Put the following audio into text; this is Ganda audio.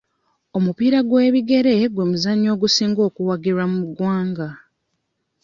Omupiira gw'ebigere gwe muzannyo ogusinga okuwagirwa mu ggwanga.